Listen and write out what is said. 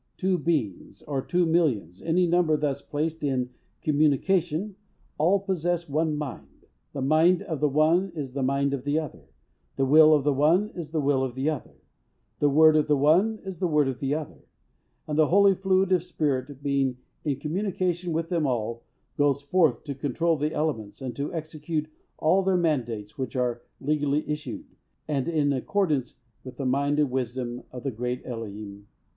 Two beings, or two millions any number thus placed in "communication" all possess one mind. The mind of the one is the mind of the other, the will of the one is the will of the other, the word of the one is the word of the other. And the holy fluid, or Spirit, being in communication with them all, goes forth to control the elements, and to execute all their mandates which are legally issued, and in accordance with the mind and wisdom of the Great Eloheim.